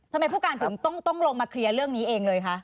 ผู้การถึงต้องลงมาเคลียร์เรื่องนี้เองเลยคะ